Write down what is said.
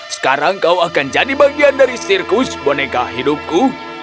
sekarang kau akan jadi bagian dari sirkus boneka hidupku